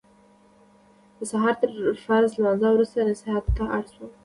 د سهار تر فرض لمانځه وروسته نصیحت ته اړم شو.